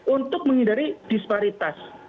untuk menghindari disparitas